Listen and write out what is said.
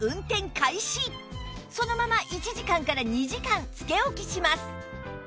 そのまま１時間から２時間つけ置きします